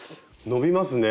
伸びますね。